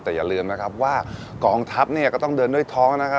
แต่อย่าลืมนะครับว่ากองทัพก็ต้องเดินด้วยท้องนะครับ